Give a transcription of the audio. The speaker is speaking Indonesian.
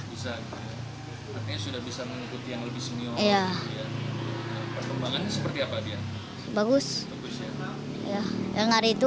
bisa artinya sudah bisa mengikuti yang lebih senior